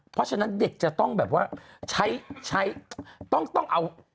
เพราะฉะนั้นเด็กจะต้องแบบว่าใช้ใช้ต้องเอา